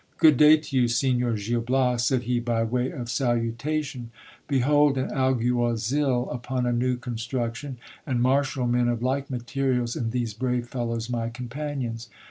Good day to you, Signor Gil Bias, said he by way of salutation ; behold an alguazil upon a new construction, and marshal ma of like materials in these brave fellows my companions.